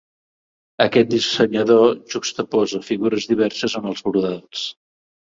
Aquest dissenyador juxtaposa figures diverses en els brodats.